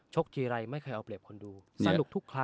ทีไรไม่เคยเอาเปรียบคนดูสนุกทุกครั้ง